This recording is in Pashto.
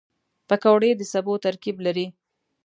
پکورې د سبو ترکیب لري